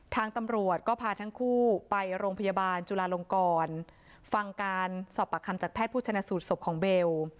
ทางตำรวจก็พาทั้งคู่ไปโรงพยาบาลจุลาลงกรฟังการสอบปากคำจากแพทย์ผู้ชนะสูตรศพของเบล